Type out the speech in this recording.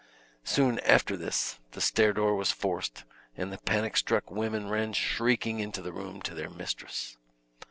Soon after this the stair door was forced, and the panic struck women ran shrieking into the room to their mistress.